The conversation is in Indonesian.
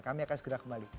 kami akan segera kembali